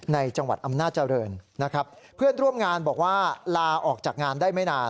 ในจังหวัดอำนาจริงนะครับเพื่อนร่วมงานบอกว่าลาออกจากงานได้ไม่นาน